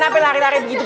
kenapa lari lari begitu